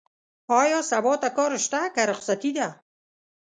ايا سبا ته کار شته؟ که رخصتي ده؟